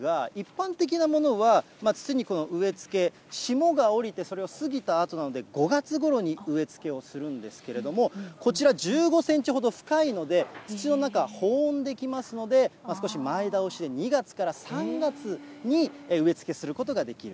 ちょっとこちら見ていただきたいんですが、一般的なものは土に植え付け、霜にそれが降りたあとで、それを過ぎたあとなので、５月ごろに植え付けをするんですけれども、こちら１５センチほど深いので、土の中、保温できますので、少し前倒しで２月から３月に植え付けすることができる。